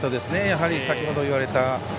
やはり先ほど言われた。